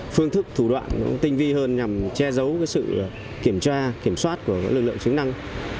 phương thức thủ đoạn tinh vi hơn nhằm che giấu sự kiểm tra kiểm soát của lực lượng chức năng